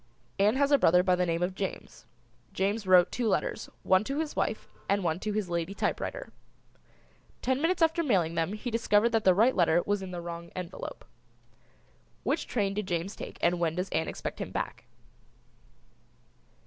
Ann has a brother by the name of James. James wrote two letters, one to his wife and one to his lady typewriter. Ten minutes after mailing them he discovered that the right letter was in the wrong envelope. Which train did James take and when does Ann expect him back?